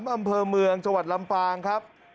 อำเภอเมืองจังหวัดลำปางครับ